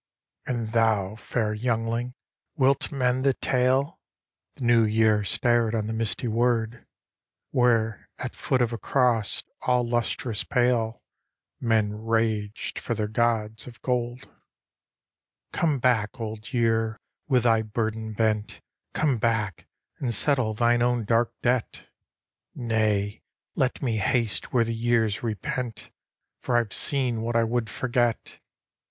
And thou, fair youngling, wilt mend the tale? " The New Year stared on the misty wold, Where at foot of a cross all lustrous pale Men raged for their gods of gold. " Come back, Old Year, with thy burden bent. Come back and settle thine own dark debt." " Nay, let me haste where the years repent, For I ve seen what I would forget."